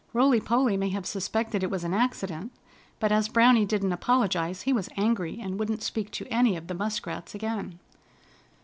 Rolly Polly may have suspected it was an accident, but as Browny didn't apologize he was angry, and wouldn't speak to any of the Muskrats again.